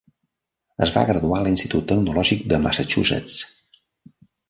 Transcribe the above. Es va graduar a l'Institut Tecnològic de Massachusetts.